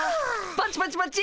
パチパチパチ！